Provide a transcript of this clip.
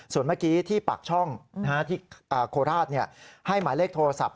ส่วนเมื่อกี้ที่ปากช่องที่โคราชให้หมายเลขโทรศัพท์